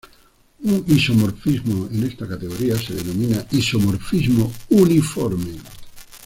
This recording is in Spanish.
Un isomorfismo en esta categoría se denomina isomorfismo uniforme.